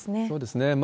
そうですね。